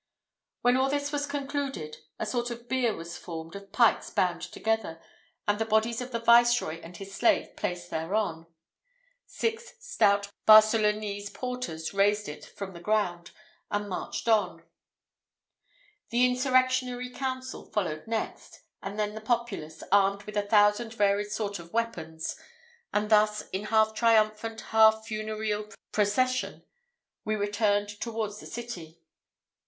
When all this was concluded, a sort of bier was formed of pikes bound together, and the bodies of the viceroy and his slave placed thereon. Six stout Barcelonese porters raised it from the ground and marched on: the insurrectionary council followed next; and then the populace, armed with a thousand varied sort of weapons; and thus, in half triumphant, half funereal procession, we returned towards the city.